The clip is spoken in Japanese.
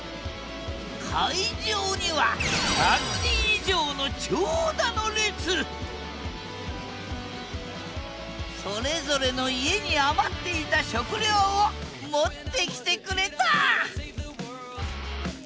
会場にはそれぞれの家に余っていた食料を持ってきてくれた！